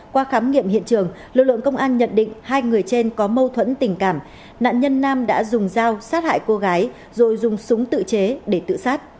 qua khám nghiệm hiện trường lực lượng công an nhận định hai người trên có mâu thuẫn tình cảm nạn nhân nam đã dùng dao sát hại cô gái rồi dùng súng tự chế để tự sát